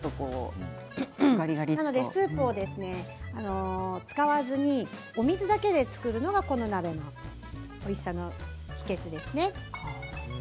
スープを使わずに水だけで作るのがこの鍋のおいしさの秘けつです。